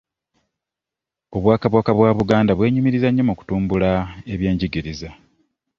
Obwakabaka bwa Buganda bwenyumiriza nnyo mu kutumbula eby'enjigiriza.